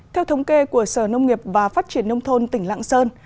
theo thống kê của sở nông nghiệp và phát triển nông thôn tỉnh lạng sơn